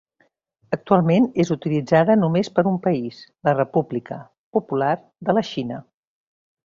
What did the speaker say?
Actualment és utilitzada només per un país, la República Popular de la Xina.